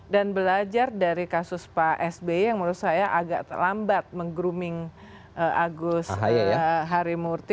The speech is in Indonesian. dan belajar dari kasus pak sby yang menurut saya agak lambat menggrooming agus harimurti